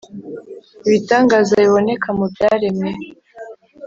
ibitangaza biboneka mu byaremwe